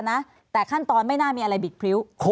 ภารกิจสรรค์ภารกิจสรรค์